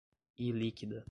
ilíquida